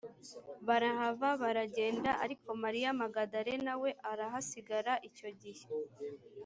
barahava baragenda ariko mariya magadalena we arahasigara icyo gihe